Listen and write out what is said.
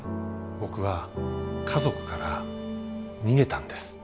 僕は家族から逃げたんです。